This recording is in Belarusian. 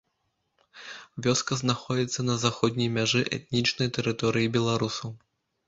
Вёска знаходзіцца на заходняй мяжы этнічнай тэрыторыі беларусаў.